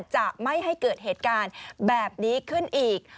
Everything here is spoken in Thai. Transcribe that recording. จะไม่ให้เกิดเหตุการณ์แบบนี้ขึ้นอีก